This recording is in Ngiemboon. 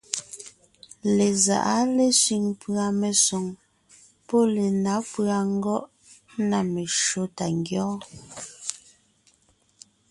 Lezáʼa lésẅiŋ pʉ̀a mesoŋ pɔ́ lenǎ pʉ̀a ngɔ́ʼ na meshÿó tà ńgyɔ́ɔn.